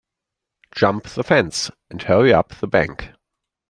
Jump the fence and hurry up the bank.